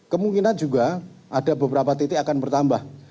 kemungkinan juga ada beberapa titik akan bertambah